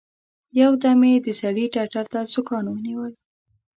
يو دم يې د سړي ټتر ته سوکان ونيول.